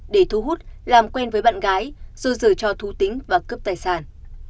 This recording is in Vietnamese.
để thu hút làm quen với bạn gái rồi rời cho thú tính và cướp tài sản